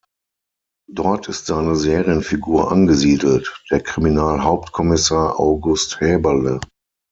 Dort ist seine Serienfigur angesiedelt, der Kriminalhauptkommissar August Häberle.